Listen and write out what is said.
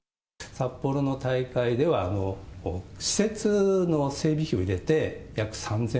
札幌の大会では施設の整備費を入れて約３０００億。